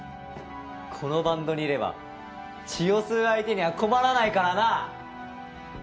このバンドにいれば血を吸う相手には困らないからな！